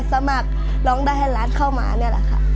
สมัครร้องได้ให้ร้านเข้ามานี่แหละค่ะ